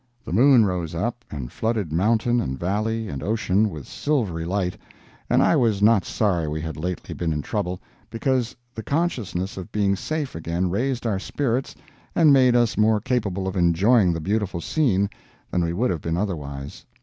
The moon rose up, and flooded mountain and valley and ocean with silvery light, and I was not sorry we had lately been in trouble, because the consciousness of being safe again raised our spirits and made us more capable of enjoying the beautiful scene than we would have been otherwise.